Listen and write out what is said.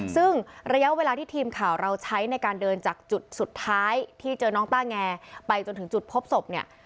ซึ่งระยะเวลาที่ทีมข่าวเราใช้ในการเดินจากจุดสุดท้ายที่เจอน้องต้าแงไปจนถึงจุดพบศพเนี่ย